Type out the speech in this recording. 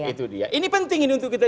itu dia ini penting ini untuk kita